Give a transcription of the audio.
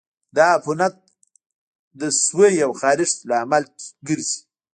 دا عفونت د سوي او خارښت لامل ګرځي.